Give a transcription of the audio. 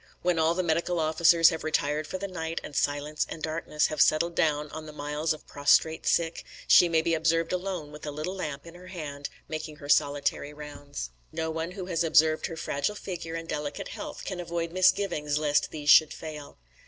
"When all the medical officers have retired for the night and silence and darkness have settled down on the miles of prostrate sick, she may be observed alone with a little lamp in her hand making her solitary rounds. No one who has observed her fragile figure and delicate health can avoid misgivings lest these should fail.